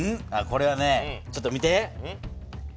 これはねちょっと見て。